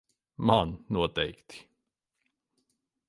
Man noteikti.